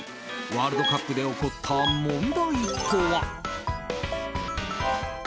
ワールドカップで起こった問題とは。